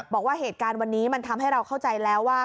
บอกว่าเหตุการณ์วันนี้มันทำให้เราเข้าใจแล้วว่า